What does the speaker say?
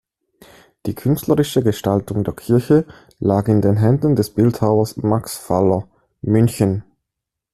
Die künstlerische Gestaltung der Kirche lag in den Händen des Bildhauers Max Faller, München.